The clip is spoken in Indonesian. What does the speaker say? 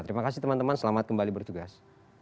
terima kasih teman teman selamat kembali bertugas